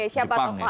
siapa tokoh animenya